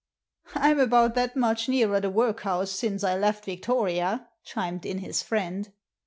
" I'm about that much nearer the workhouse since I left Victoria," chimed in his friend.